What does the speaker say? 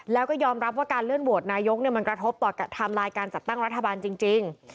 แล้วก็ยอมรับว่าการเลื่อนโหวตนายกมันกระทบต่อไทม์ไลน์การจัดตั้งรัฐบาลจริง